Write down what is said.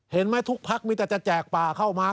เห็นไหมทุกพักมีแต่จะแจกป่าเข้ามา